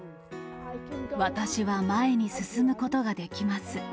私は前に進むことができます。